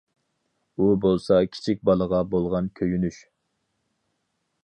ئۇ بولسا كىچىك بالىغا بولغان كۆيۈنۈش.